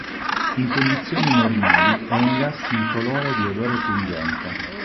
In condizioni normali è un gas incolore di odore pungente.